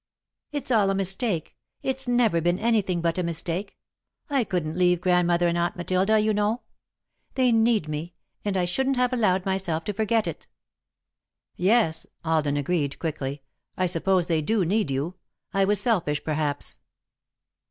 "It's all a mistake it's never been anything but a mistake. I couldn't leave Grandmother and Aunt Matilda, you know. They need me, and I shouldn't have allowed myself to forget it." "Yes," Alden agreed, quickly, "I suppose they do need you. I was selfish, perhaps."